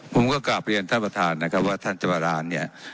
ผมก็กลับเรียนท่านประธานนะครับว่าท่านจวรานเนี่ย